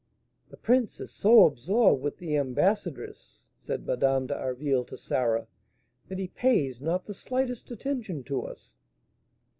"The prince is so absorbed with the ambassadress," said Madame d'Harville to Sarah, "that he pays not the slightest attention to us."